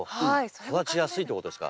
育ちやすいってことですか？